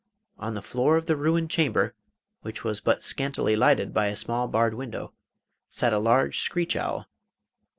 On the floor of the ruined chamber which was but scantily lighted by a small barred window sat a large screech owl.